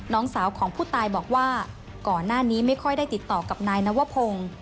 น้องสาวของผู้ตายบอกว่าก่อนหน้านี้ไม่ค่อยได้ติดต่อกับนายนวพงศ์